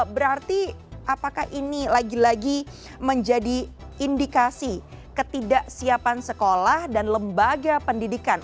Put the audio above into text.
berarti apakah ini lagi lagi menjadi indikasi ketidaksiapan sekolah dan lembaga pendidikan